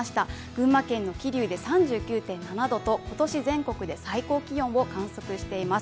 群馬県の桐生で３９．７度と、今年全国で最高気温を観測しています。